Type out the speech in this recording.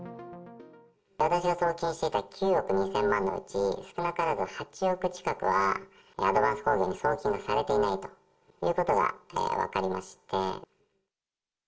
私は送金していた９億２０００万のうち、少なからず８億近くは、アドヴァンス工業に送金されていないということが分かりまして。